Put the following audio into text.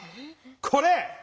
これ！